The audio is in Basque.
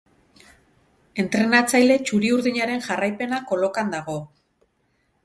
Entrenatzaile txuri-urdinaren jarraipena kolokan dago.